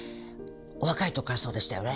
若い時からそうでしたよね。